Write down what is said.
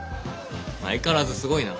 相変わらずすごいな。